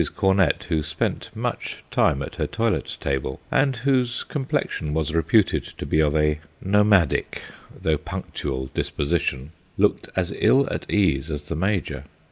Cornett, who spent much time at her toilet table, and whose complexion was reputed to be of a nomadic though punctual disposition, looked as ill at ease as the Major.